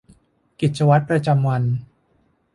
กิจวัตรประจำวัน